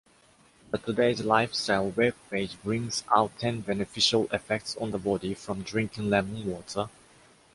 The Today’s Lifestyle web page brings out ten beneficial effects on the body from drinking lemon water.